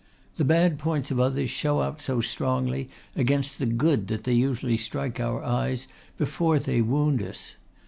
The bad points of others show out so strongly against the good that they usually strike our eyes before they wound us.